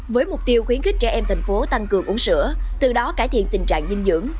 với mục tiêu khuyến khích trẻ em thành phố tăng cường uống sữa từ đó cải thiện tình trạng dinh dưỡng